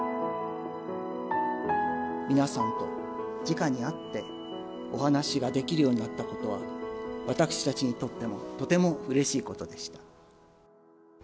皆さんとじかにあって、お話しができるようになったことは、私たちにとっても、とてもうれしいことでした。